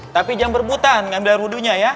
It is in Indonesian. tapi jangan berputar ambil air wudhunya ya